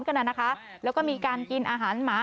กันน่ะนะคะแล้วก็มีการกินอาหารหมา